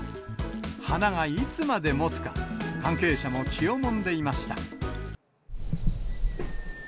花がいつまでもつか、関係者も気をもんでいました。